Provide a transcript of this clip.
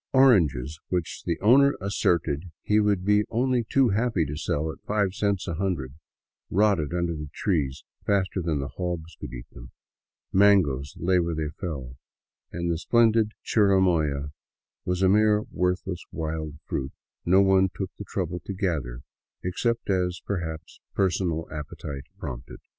Oranges, which the owner asserted he would be only too happy to sell at five cents a hundred, rotted under the trees faster than the hogs could eat them ; mangoes lay where they fell, and the splendid chirimoya was a mere worthless wild fruit no one took the trouble to gather, except as per sonal appetite prompted.